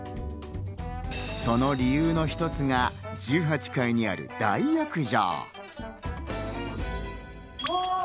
その理由の一つが、１８階にある大浴場。